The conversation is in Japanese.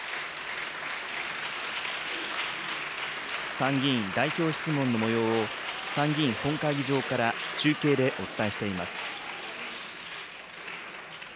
参議院代表質問のもようを、参議院本会議場から中継でお伝えしています。